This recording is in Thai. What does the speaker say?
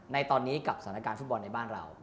ในตอนนี้กับสถานการณ์ฟุตบอลในบ้านเรา